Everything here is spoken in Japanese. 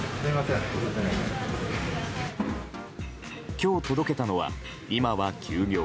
今日届けたのは、今は休業。